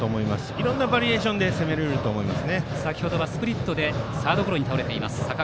いろいろなバリエーションで攻められると思います。